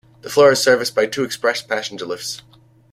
The floor is serviced by two express passenger lifts.